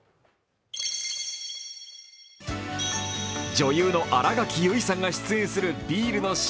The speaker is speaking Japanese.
女優の新垣結衣さんが出演するビールの新